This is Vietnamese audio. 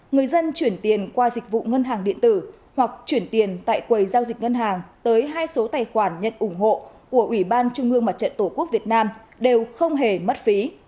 người dân chuyển tiền qua dịch vụ ngân hàng điện tử hoặc chuyển tiền tại quầy giao dịch ngân hàng tới hai số tài khoản nhận ủng hộ của ủy ban trung ương mặt trận tổ quốc việt nam đều không hề mất phí